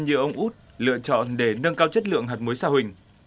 như ông út lựa chọn để nâng cao chất lượng hạt muối sa huỳnh